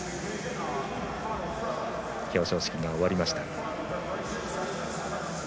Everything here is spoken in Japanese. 表彰式が終わりました。